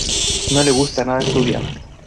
No le gusta nada estudiar.